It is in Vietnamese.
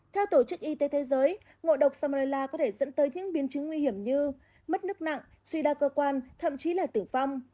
theo tổ chức y tế thế giới ngộ độc samrela có thể dẫn tới những biến chứng nguy hiểm như mất nước nặng suy đa cơ quan thậm chí là tử vong